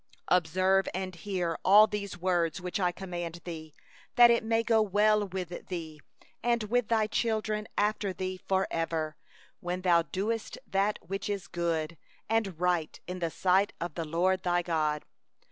28Observe and hear all these words which I command thee, that it may go well with thee, and with thy children after thee for ever, when thou doest that which is good and right in the eyes of the LORD thy God.